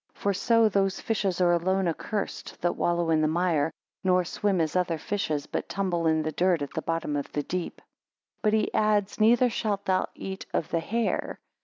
For so those fishes are alone accursed, that wallow in the mire, nor swim as other fishes, but tumble in the dirt at the bottom of the deep. 7 But, he adds, neither shalt thou eat of the hare.